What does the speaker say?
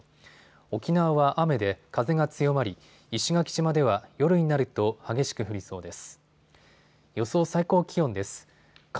沖縄は雨で風が強まり石垣島では夜になると激しく降りそうです。